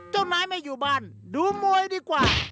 เจ้านายไม่อยู่บ้านดูมวยดีกว่า